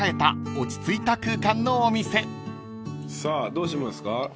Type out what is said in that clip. さあどうしますか？